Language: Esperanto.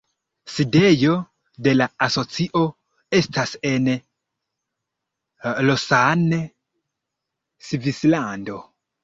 Sidejo de la asocio estas en Lausanne, Svislando.